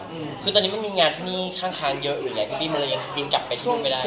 คือตอนนี้มันมีงานเท่านี้ข้างเยอะอื่นแหละพี่บินกลับไปที่โน้มไม่ได้